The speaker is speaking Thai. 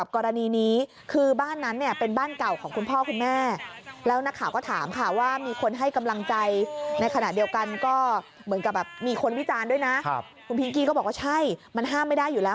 คุณพิงกี้ก็บอกว่าใช่มันห้ามไม่ได้อยู่แล้ว